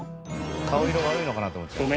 顔色悪いのかなと思っちゃう。